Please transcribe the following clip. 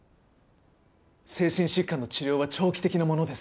精神疾患の治療は長期的なものです。